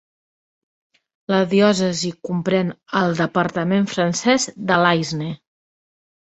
La diòcesi comprèn el departament francès de l'Aisne.